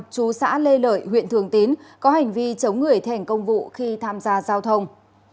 chú xã lê lợi huyện thường tín có hành vi chống người thẻnh công vụ khi tham gia giao thông